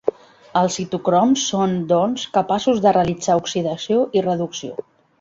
Els citocroms són, doncs, capaços de realitzar oxidació i reducció.